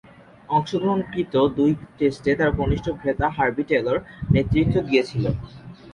অংশগ্রহণকৃত দুই টেস্টে তার কনিষ্ঠ ভ্রাতা হার্বি টেলর নেতৃত্ব দিয়েছিলেন।